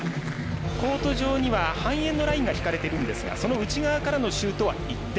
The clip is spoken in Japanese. コート上には半円のラインが引かれていますがその内側からのシュートは１点。